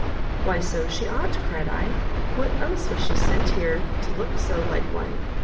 Why so she ought, cried I; what else was she sent for here to look so like one?